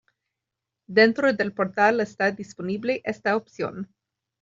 Dentro del portal está disponible esta opción.